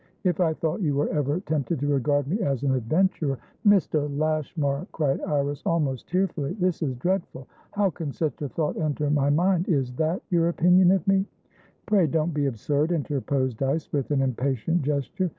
If I thought you were ever tempted to regard me as an adventurer" "Mr. Lashmar!" cried Iris, almost tearfully. "This is dreadful. How could such a thought enter my mind? Is that your opinion of me?" "Pray don't be absurd," interposed Dyce, with an impatient gesture.